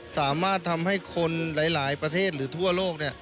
สามารถทำให้คนหลายประเทศหรือทั่วโลก